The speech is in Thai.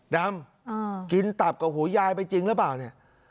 ดำอ่ากินตักกับหัวยายไปจริงแล้วเปล่าเนี้ย